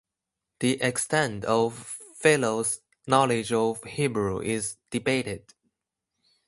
The extent of Philo's knowledge of Hebrew is debated.